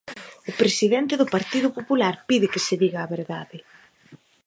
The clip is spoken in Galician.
O presidente do Partido Popular pide que se diga a verdade.